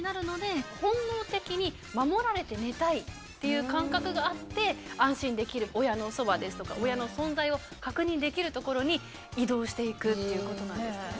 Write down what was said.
守られて寝たいっていう感覚があって安心できる親のそばですとか親の存在を確認できる所に移動して行くということなんです。